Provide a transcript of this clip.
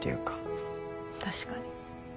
確かに。